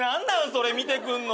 それ見てくんの。